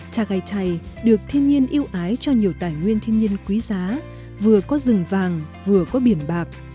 tagaytay được thiên nhiên yêu ái cho nhiều tài nguyên thiên nhiên quý giá vừa có rừng vàng vừa có biển bạc